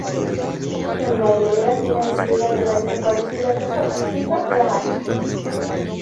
Era la heredera financiera de la desaparecida Caja Castilla-La Mancha.